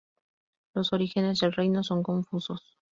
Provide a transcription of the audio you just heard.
Los orígenes del reino son confusos.